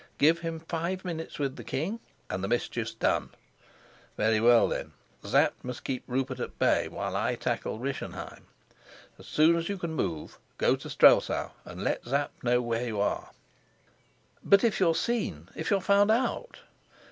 Give him five minutes with the king, and the mischief's done! Very well, then; Sapt must keep Rupert at bay while I tackle Rischenheim. As soon as you can move, go to Strelsau, and let Sapt know where you are." "But if you're seen, if you're found out?"